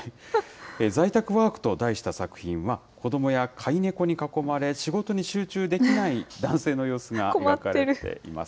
在宅ワークと題した作品は、子どもや飼い猫に囲まれ、仕事に集中できない男性の様子が描かれています。